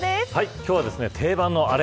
今日は定番のあれ。